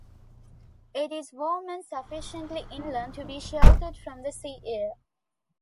It is warm and sufficiently inland to be sheltered from the sea air.